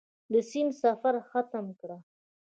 د سیند سفر ختم کړ.